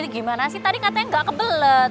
gimana sih tadi katanya nggak kebelet